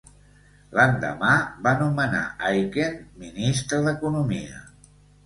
L'endemà, van nomenar Aiken ministre d'Economia.